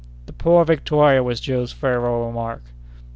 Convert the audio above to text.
"The poor Victoria!" was Joe's farewell remark.